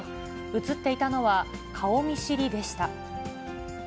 写っていたのは、顔見知りでした。